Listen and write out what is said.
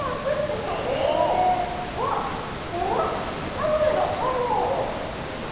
かめばかむほど。